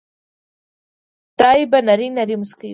دای به نری نری مسکی و.